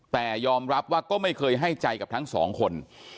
แต่ยอมรับว่าก็ไม่เคยให้ใจกับทั้งสองคน